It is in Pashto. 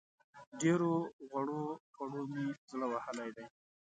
ډېرو غوړو خوړو مې زړه وهلی دی.